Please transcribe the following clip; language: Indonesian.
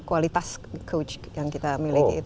kualitas coach yang kita miliki